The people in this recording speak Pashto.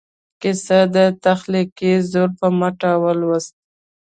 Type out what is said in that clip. کیسه یې د تخلیقي زور په مټ ولوسته.